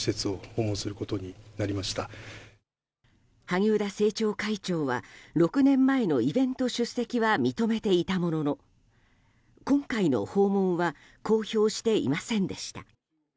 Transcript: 萩生田政調会長は６年前のイベント出席は認めていたものの今回の訪問は公表していませんでした。